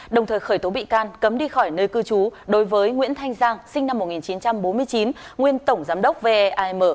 đồng thời khởi tố bị can cấm đi khỏi nơi cư trú đối với nguyễn thanh giang sinh năm một nghìn chín trăm bốn mươi chín nguyên tổng giám đốc veim